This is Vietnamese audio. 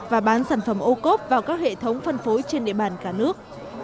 và bán sản phẩm ô cốp vào các hệ thống phân phối trên địa bàn cả nước